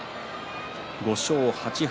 ５勝８敗。